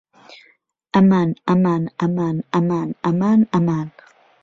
ئەمان ئەمان ئەمان ئەمان ئەمان ئەمان